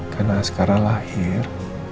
karena sekarang lahir